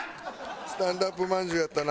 スタンダップまんじゅうやったな。